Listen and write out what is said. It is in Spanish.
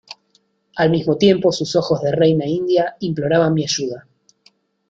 al mismo tiempo sus ojos de reina india imploraban mi ayuda: